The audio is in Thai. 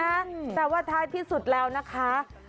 เออแต่ว่าท้ายพิสูจน์แล้วนะคะ